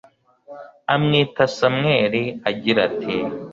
amwita samweli, agira ati